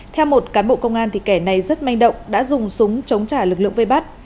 theo một cán bộ công an thì kẻ này rất manh động đã dùng súng chống trả lực lượng vây bắt